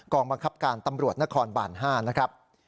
บังคับการตำรวจนครบาน๕นะครับ